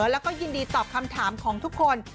แล้วก็ยินดีตอบคำถามของทุกคน